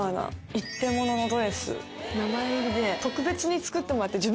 一点物のドレス名前入りで特別に作ってもらって。